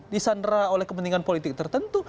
disandera oleh kepentingan politik tertentu